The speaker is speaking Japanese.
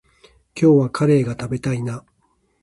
今日はカレーが食べたいな。